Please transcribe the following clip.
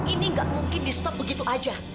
ini nggak mungkin di stop begitu aja